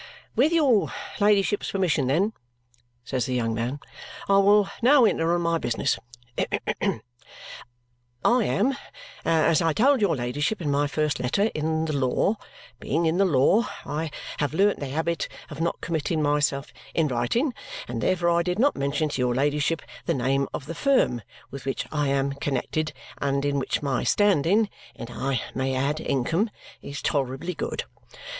"With your ladyship's permission, then," says the young man, "I will now enter on my business. Hem! I am, as I told your ladyship in my first letter, in the law. Being in the law, I have learnt the habit of not committing myself in writing, and therefore I did not mention to your ladyship the name of the firm with which I am connected and in which my standing and I may add income is tolerably good.